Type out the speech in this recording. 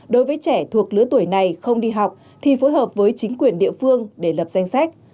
đối với trẻ thuộc lứa tuổi này không đi học thì phối hợp với chính quyền địa phương để lập danh sách